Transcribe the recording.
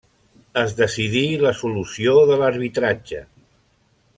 Es decidí la solució de l'arbitratge.